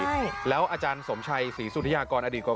คำถามคือที่พี่น้ำแขงเล่าเรื่องถือหุ้นเสือไอทีวี